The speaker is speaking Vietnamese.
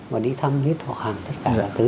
và đi thăm hết họ hàng